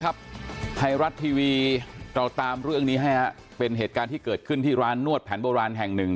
ไทยรัฐทีวีเราตามเรื่องนี้ให้ฮะเป็นเหตุการณ์ที่เกิดขึ้นที่ร้านนวดแผนโบราณแห่งหนึ่ง